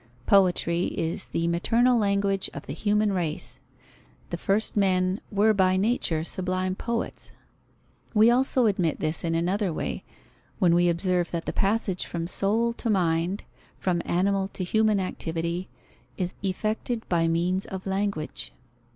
Poetry is "the maternal language of the human race"; the first men "were by nature sublime poets." We also admit this in another way, when we observe that the passage from soul to mind, from animal to human activity, is effected by means of language.